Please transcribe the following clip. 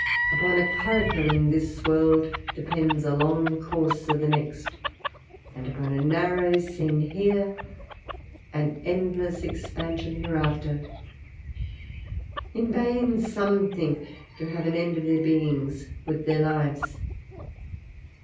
Upon a curricle in this world depends a long course of the next, and upon a narrow scene here an endless expansion hereafter. In vain some think to have an end of their beings with their lives.